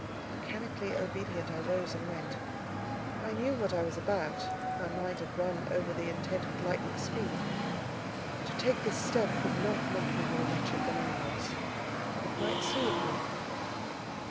Mechanically obedient, I rose and went. I knew what I was about; my mind had run over the intent with lightning speed. To take this step could not make me more wretched than I was; it might soothe me.